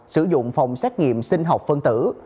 sử dụng phòng xét nghiệm sinh học phân tử